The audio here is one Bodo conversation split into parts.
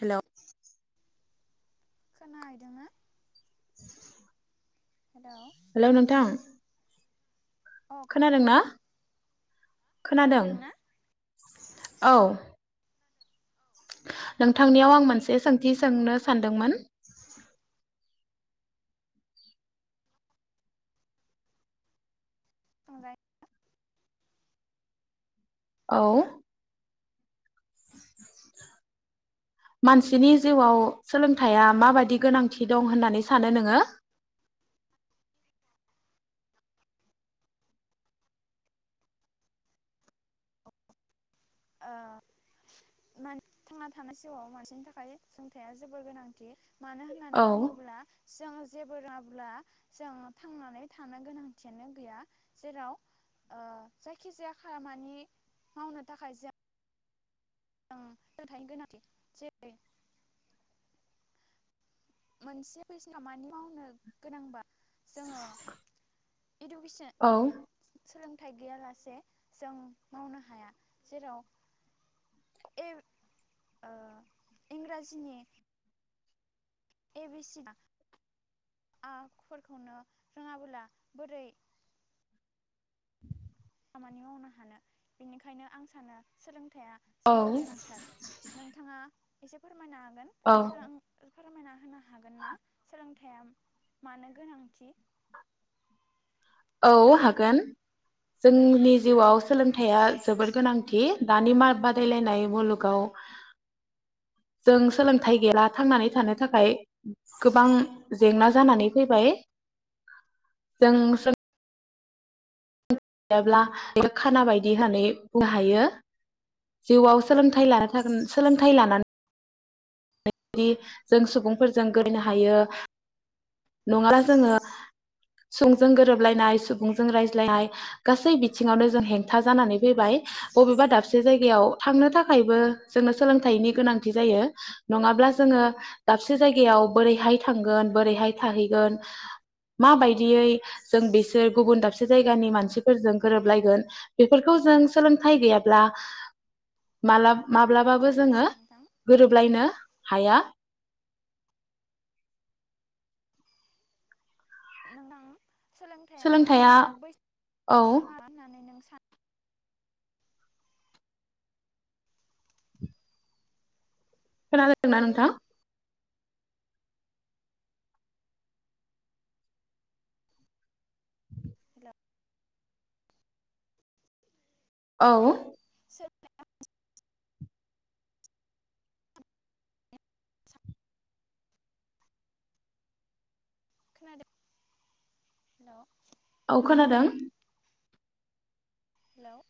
हेलौ खोनाहैदों ना? हेलौ हेलौ नोंथां अ खोनादों ना खोनादोंना खोनादों खोनादोंना औ। नोंथांनियाव आं मोनसे सोंथि सोंनो सानदोंमोन सोंजायो औ मानसिनि जिउआव सोलों ओ थाया माबायदि गोनांथि दं होननानै सानो नोङो ओ माने थांना थानाय जिउआव मानसिनि थाखाय सोलोंथाइया जोबोर गोनांथि। मानो औ होननानै बुङोब्ला जोंङो जेबो रोङाब्ला जों थांनानै थानो गोनांथियानो गैया। जेराव ओ जायखिजाया खामानि मावनो थाखाय जों [unintelligible] गोनांथि जेरै मोनसे [unintelligible] खामानि मावनो गोनांबा जोङो इडुकेसन औ सोंलों फिथाइ गैयालासे जों मावनो हाया जेराव ए ओ इंराजिनि ए बि सि [unintelligible] आ फोरखौनो रोङाबोला बोरै खामानि मावनो हानो बेनिखायनो आं सानो सोलों थाया औ जोबोर गोनांथार नोंथाङा एसेफोर मायनो हागोन औ सोलों फोरमायना होनो हा हागोनना सोंलों थाया मानो गोनांथि औ हागोन जोंनि जिउआव सोलोंथाइया जोबोद गोनांथि दानि बादायलायनाय मुलुगाव जों सोलोंथाइ गैला थांनानै थानो थाखाय गोबां जेंना जानानै फैबाय जों सोलों गैयाब्ला बे खाना बायदि होननानै बुंनो हायो जिउआव सोलोंथाइ लानो सोलोंथाइ लानानै जों सुबुंफोरजों [unintelligible] हायो नङाब्ला जोङो [unintelligible] गोरोबलायनाय सुबुंजों रायज्लायनाय गासै बिथिङावनो जों हेंथा जानानै फैबाय बबेबा दाबसे जायगायाव थांनो थाखायबो जोंनो सोलोंथायाइनि गोनांथि जायो नङाब्ला जोङो दाबसे जायगायाव बोरैहाय थांगोन बोरैहाय थाहैगोन माबायदियै जों औ बिसोर गुबुन दाबसे जायगानि मानसिफोरजों गोरोबलायगोन बेफोरखौ जों सोलोंथाइ गैयाब्ला माला माब्लाबाबो जोङो खोनायासै नोंथां गोरोबलायनो हाया नोंथां सोलोंथाइया औ बैसोनि सिमा होननानै नों सानो खोनादोंना नोंथां? हेलौ औ [unintelligible] खोनादों हेल' औ खोनादों हेलौ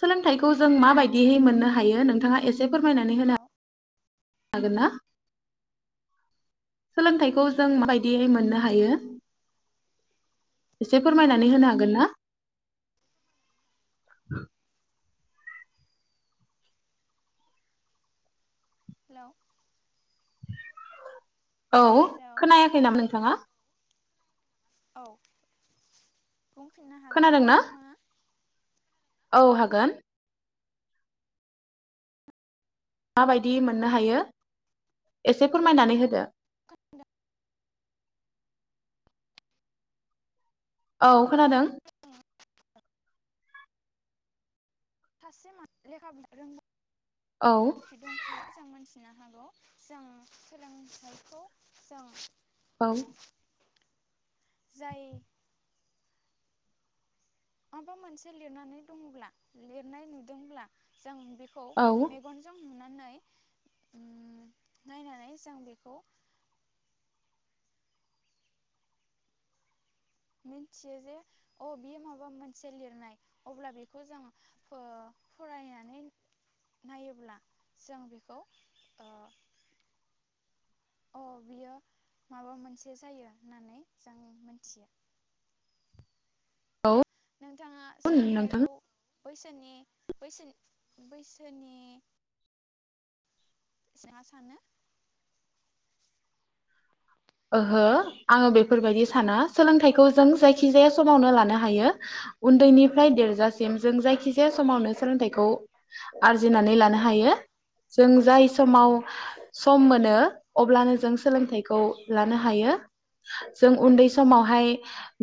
सोलोंथाइखौ जों माबायदियै मोननो हायो नोंथाङा एसे से फोरमायनानै हेलौ होना हागोन ना सोलोंथाइखौ जों माबायदियै मोननो हायो? एसे फोरमायनानै हेलौ होनो हागोन ना? [unintelligible] हेल' औ हेलौ खोनायाखै नामा नोंथाङा? औ बुंफिननो हागोन ना खोनादोंना नोंथाङा? औ हागोन। माबायदि खोनादों मोननो हायो। एसे फोरमायनानै होदो दा औ खोनादों औ सासे म लेखा बुं रों औ [unintelligible] खि दंखायो जों मानसि फिनो हागौ जों सोलोंथाइखौ जों [unintelligible] औ जायो। माबा मोनसे लिरनानै दङब्ला लिरनाय नुदोंब्ला जों बेखौ औ मेगनजों नुनानै नायनानै जों बेखौ मिथियो जे अ बेयो माबा मोनसे लिरनाय अब्ला बेखौ जों ओ फरायनानै नायोब्ला जों बेखौ ओ अ बियो माबा मोनसे जायो होननानै जों मोनथियो। औ नोंथाङा सोलोंथाइखौ बैसोनि बैसोनि बैसोनि सोङा सानो ओहो आङो बेफोरबायदि साना सोलोंथाइखौ जों जायखिजाया समावनो लानो हायो उन्दैनिफ्राय देरजासिम जों जायखिजाया समावनो सोलोंथाइखौ आरजिनानै लानो हायो जों जाय समाव सम मोनो अब्लानो जों सोलोंथाइखौ लानो हायो जों उन्दै समावहाय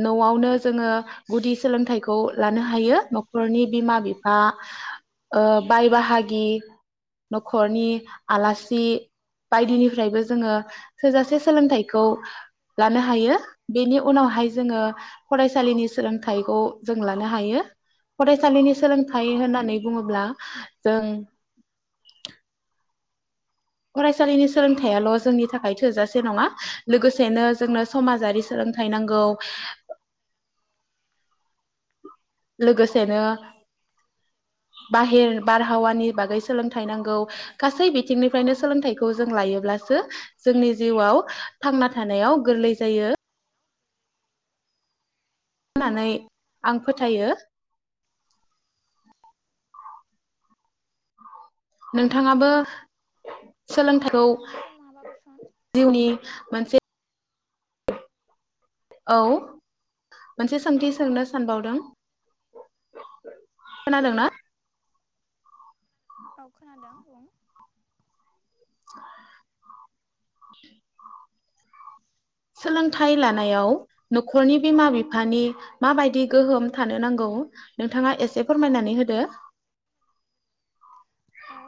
न'आवनो जोङो गुदि सोलोंथाइखौ लानो हायो न'खरनि बिमा बिफा ओ बाय बाहागि न'खरनि आलासि बायदिनिफ्रायबो जोङो थोजासे सोलोंथखौ लानो हायो बेनि उनावहाय जोङो फरायसालिनि सोलोंथाइखौ जों लानो हायो फरायसालिनि सोलोंथाइ होननानै बुङोब्ला जों फरायसालिनि सोलोंथायाइल' जोंनि थाखाय थोजासे नङा लोगोसेनो जोंनो समाजारि सोलोंथाइ नांगौ लोगोसेनो बाहेर बारहावानि बागै सोलोंथाइ नांगौ गासै बिथिंनिफ्रायनो सोलोंथाइखौ जों लायोब्लासो जोंनि जिउआव थांना थानायाव गोरलै जायो। होननानै आं फोथायो। नोंथाङाबो सोलोंथाइखौ नोंथांनिफ्राय माबा कुइसन जिउनि मोनसे औ मोनसे सोंथि सोंनो सानबावदों खोनादों ना औ खोनादों। बुं [inaudible] सोलोंथाइ खोनादों लानायाव न'खरनि बिमा बिफानि माबायदि गोहोम थानो नांगौ नोंथाङा एसे फोरमायनानै होदो। औ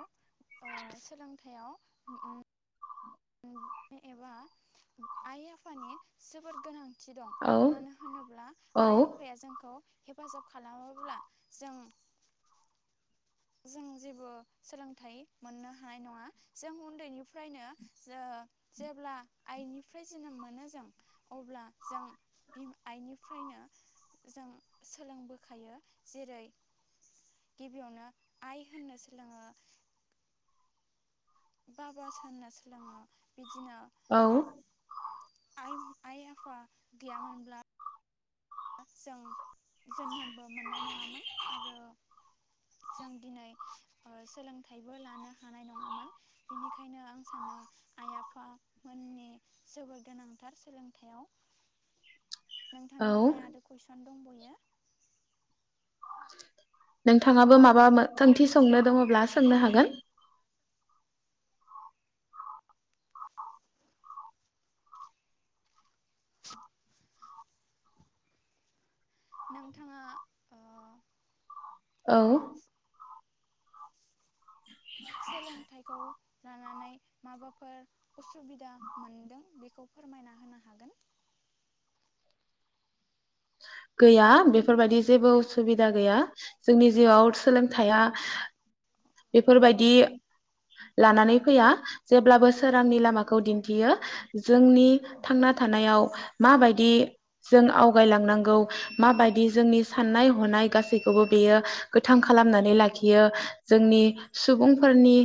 ओ सोलोंथाइयाव एबा आइ आफानि जोबोद गोनां दं औ मानो होनोब्ला औ आइ आफाया जोंखौ हेफाजाब खालामोब्ला जों जों जेबो सोलोंथाइ मोननो हानाय नङा जों उन्दैनिफ्रायनो ओ जेब्ला आइनिफ्राय जोनोम मोनो जों अब्ला जों आइनिफ्रायनो जों सोलोंबोखायो जेरै गिबियावनो आइ होननो सोलोङो बाबा सानना सोलङो बिदिनो औ [unintelligible] जों जोनोमबो मोननाय नङामोन आरो जों दिनै सोलोंथाइबो लानो हानाय नङामोन बेनिखायनो आं सानो आइ आफामोननि जोबोर गोनांथार सोलोंथायाव औ [unintelligible] ओमफ्राय आरो कुइसन दंबयो नोंथाङाबो माबा सोंथि संनो दङब्ला सोंनो हागोन। नोंथाङा औ सोलोंथाइखौ लानानै माबाफोर उसुबिदा मोनदों बेखौ फोरमायना होनो हागोन गैया बेफोरबायदि जेबो उसुबिदा गैया जोंनि जिउआव सोलोंथाइया बेफोरबायदि लानानै फैया जेब्लाबो सोरांनि लामाखौ दिन्थियो जोंनि थांना थानायाव माबायदि जों आवगायलांनांगौ ओ माबायदि जोंनि साननाय हनाय गासैखौबो बेयो गोथां खालामनानै लाखियो जोंनि सुबुंफोरनि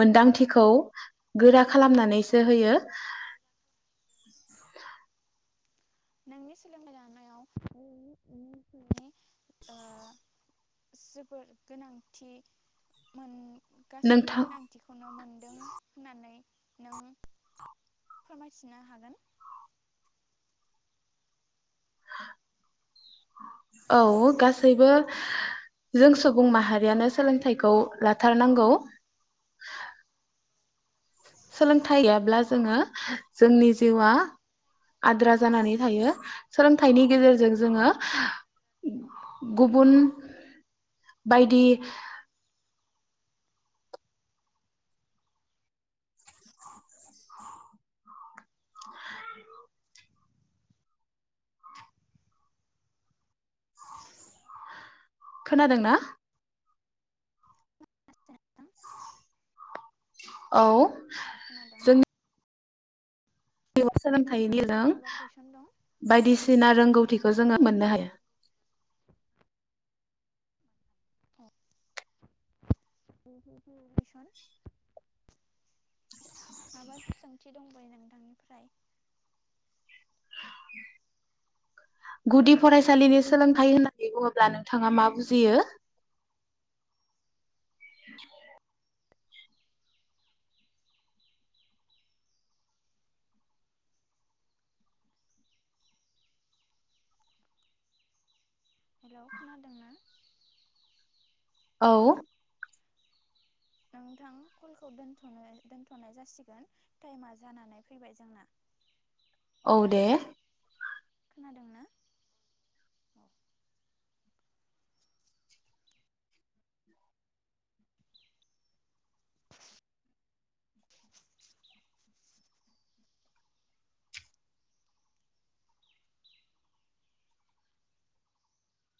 मोनदांथिखौ गोरा खालामनानैसो होयो नोंनि सोलोंथाइ लानायाव ओ जोबोर गोनांथि मोन गासैबो नोंथां गोनांथिखौनो मोनदों होननानै नों फोरमायथिनो हागोन औ गासैबो जों सुबुं माहारियानो सोलोंथाइखौ लाथारनांगौ सोलोंथाइयाब्ला जोङो जोंनि जिउआ आद्रा जानानै थायो सोलोंथाइनि गेजेरजों जोङो गुबुन बायदि [unintelligible] खोनादों ना? औ [unintelligible] बेयाव सोलोंथायाइनि जों नोंथांनिफ्राय माबा कुइसन दं बायदिसिना रोंगौथिखौ खौ जोङो मोननो हायो [unintelligible] गुदि हेलौ फरायसालिनि सोलों हायो होननानै बुङोब्ला नोंथाङा मा बुजियो [unintelligible] हेल' खोनादों ना? औ नोंथां कलखौ दोनथ'नो दोनथ'नाय जासिगोन टाइमा जानानै फैबाय जोंना औ दे खोनादों ना औ। [inaudible]